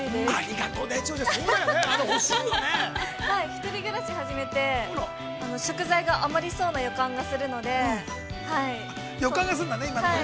ひとり暮らしを始めて食材が余りそうな予感するので。